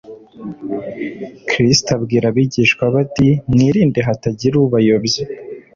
Kristo abwira abigishwa be ati : «Mwirinde hatagira ubayobya